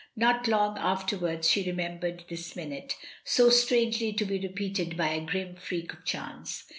Not long afterwards she remem bered this minute, so strangely to be repeated by a grim freak of chance.